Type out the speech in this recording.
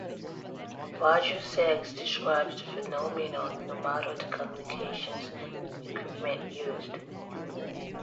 Virtual sex describes the phenomenon, no matter the communications equipment used.